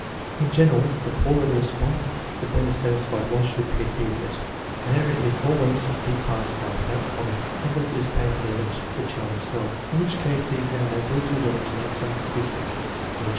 In general, the poorer the response, the better satisfied one should appear to be with it. An error is al ways to be passed by without comment, unless it is pain fully evident to the child himself, in which case the ex aminer will do well to make some excuse for it; e.